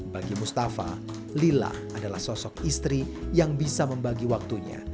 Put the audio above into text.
bagi mustafa lila adalah sosok istri yang bisa membagi waktunya